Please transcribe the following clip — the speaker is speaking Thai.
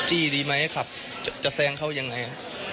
ครับจี้ดีไหมครับจะแซงเขายังไง